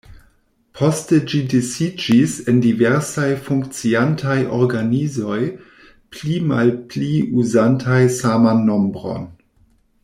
Poste ĝi disiĝis en diversaj funkciantaj organizoj pli mal pli uzantaj saman nombron.